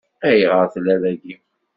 Ayɣer tella dagi?